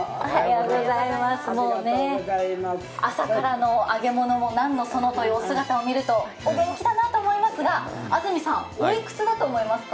朝からの揚げ物も何のそのというお姿を見ると、お元気だなと思いますが、安住さん、おいくつだと思いますか？